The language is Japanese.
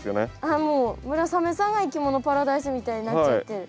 あもう村雨さんがいきものパラダイスみたいになっちゃってる。